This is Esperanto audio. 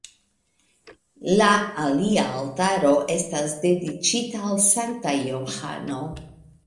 La alia altaro estas dediĉita al Sankta Johano.